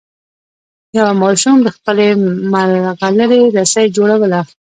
یوه ماشوم د خپلې ملغلرې رسۍ جوړوله.